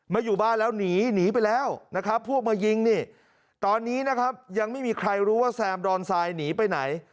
อยู่บ้านแล้วหนีหนีไปแล้วนะครับพวกมายิงนี่ตอนนี้นะครับยังไม่มีใครรู้ว่าแซมดอนทรายหนีไปไหน